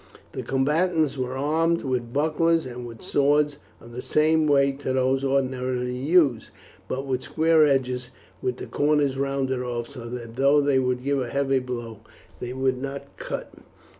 The combatants were armed with bucklers and with swords of the same weight to those ordinarily used, but with square edges with the corners rounded off, so that though they would give a heavy blow they would not cut.